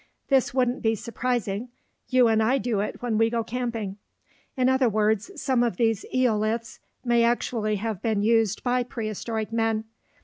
This wouldn't be surprising; you and I do it when we go camping. In other words, some of these "eoliths" may actually have been used by prehistoric men.